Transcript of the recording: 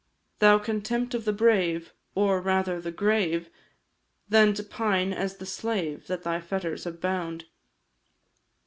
Thou contempt of the brave oh, rather the grave, Than to pine as the slave that thy fetters have bound.